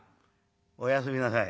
「おやすみなさい」。